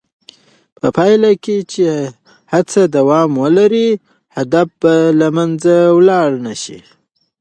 په پایله کې چې هڅه دوام ولري، هدف به له منځه ولاړ نه شي.